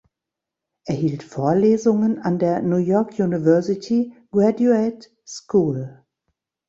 Er hielt Vorlesungen an der New York University (Graduate School).